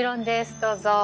どうぞ。